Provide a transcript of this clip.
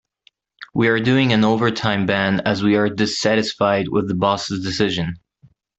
We are doing an overtime ban as we are dissatisfied with the boss' decisions.